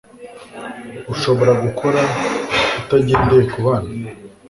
Ushobora gukora utagendeye kubandi?